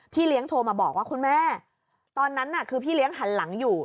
เลี้ยงโทรมาบอกว่าคุณแม่ตอนนั้นน่ะคือพี่เลี้ยงหันหลังอยู่